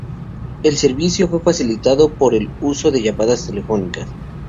El servicio fue facilitado por el uso de llamadas telefónicas.